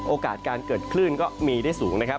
โอกาสการเกิดคลื่นก็มีได้สูงนะครับ